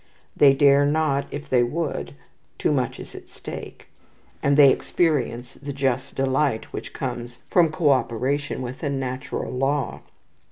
They dare not if they would, too much is at stake; and they experience the just delight which comes from cooperation with a natural law.